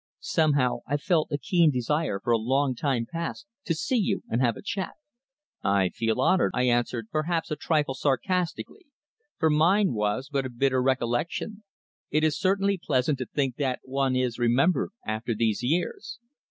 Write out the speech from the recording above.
Somehow I've felt a keen desire for a long time past to see you and have a chat." "I feel honoured," I answered, perhaps a trifle sarcastically, for mine was but a bitter recollection. "It is certainly pleasant to think that one is remembered after these years."